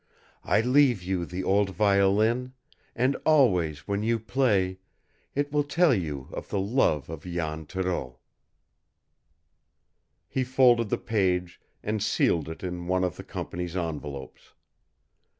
I leave you the old violin, and always when you play, it will tell you of the love of Jan Thoreau." He folded the page and sealed it in one of the company's envelopes.